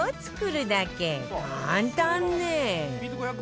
簡単ね